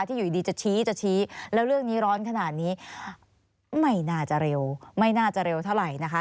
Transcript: อยู่ดีจะชี้จะชี้แล้วเรื่องนี้ร้อนขนาดนี้ไม่น่าจะเร็วไม่น่าจะเร็วเท่าไหร่นะคะ